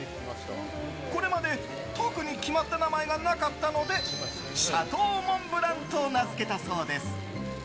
これまで特に決まった名前がなかったのでシャトーモンブランと名付けたそうです。